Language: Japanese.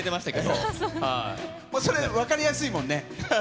それ、分かりやすいもんね。